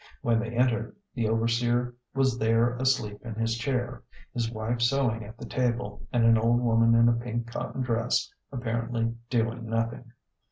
When they entered, the overseer was there asleep in his chair, his wife sewing at the table, and an old woman in a pink cotton dress, apparently doing nothing.